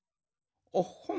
おっほん！